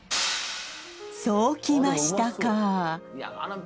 そうきましたか！